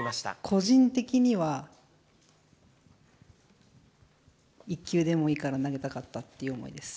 個人的には一球でもいいから投げたかったっていう思いです。